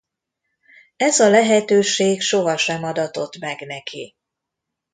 Ez a lehetőség sohasem adatott meg neki.